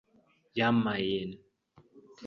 Yampaye yen .